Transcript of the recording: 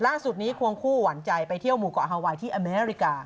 ล่าสุดนี้ควงคู่หวานใจไปเที่ยวหมู่เกาะฮาไวน์ที่อเมริกา